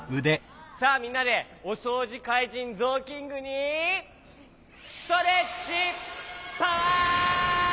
さあみんなでおそうじかいじんゾーキングにストレッチパワー！